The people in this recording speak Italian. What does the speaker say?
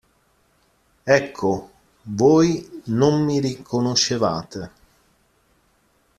Ecco, voi non mi riconoscevate!